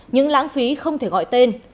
những lãng phí không thể gọi tên